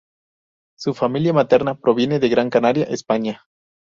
Su familia materna proviene de Gran Canaria, España.